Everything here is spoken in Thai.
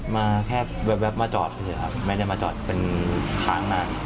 มาแค่แว๊บมาจอดเฉยครับไม่ได้มาจอดเป็นค้างนาน